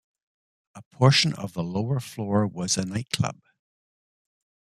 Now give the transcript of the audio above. A portion of the lower floor was a nightclub.